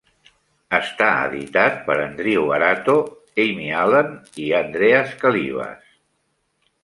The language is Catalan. Està editat per Andrew Arato, Amy Allen i Andreas Kalyvas.